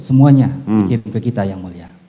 semuanya dikirim ke kita yang mulia